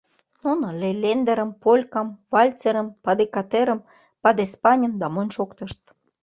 Нуно лейлендерым, полькам, вальцерым, падикатерым, падеспаньым да монь шоктышт.